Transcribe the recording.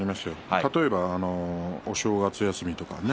例えば、お正月休みとかね